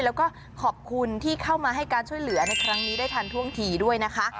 แล้วก็ขอบคุณที่เข้ามาให้การช่วยเหลือในครั้งนี้ได้ทันท่วงทีด้วยนะคะ